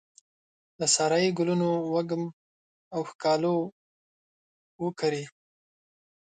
د سارایې ګلونو وږم او ښکالو وکرې